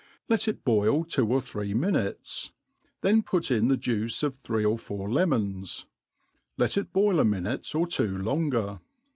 Let it boil two or three minutes ; then put in the juice of three or four lemons ; let it boil a mi nute or two longer.